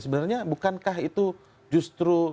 sebenarnya bukankah itu justru